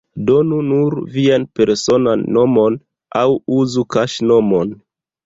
Donu nur vian personan nomon, aŭ uzu kaŝnomon.